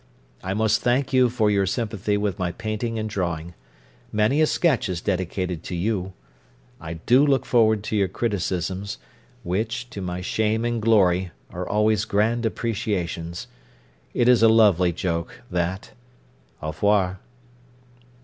"I must thank you for your sympathy with my painting and drawing. Many a sketch is dedicated to you. I do look forward to your criticisms, which, to my shame and glory, are always grand appreciations. It is a lovely joke, that. Au revoir."